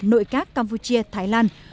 nội các campuchia thái lan